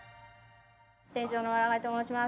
店長の藁谷と申します。